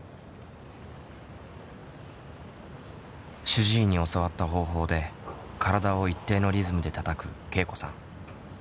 主治医に教わった方法で体を一定のリズムでたたくけいこさん。